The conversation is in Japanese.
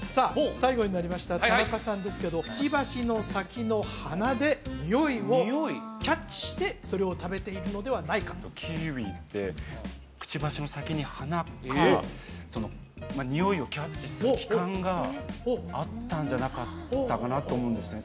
最後になりました田中さんですけどクチバシの先の鼻で匂いをキャッチしてそれを食べているのではないかキーウィってクチバシの先に鼻かまあ匂いをキャッチする器官があったんじゃなかったかなって思うんですね